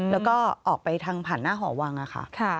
แล้วก็ออกไปทางผ่านหน้าหอวังค่ะ